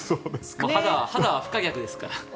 肌は不可逆ですから。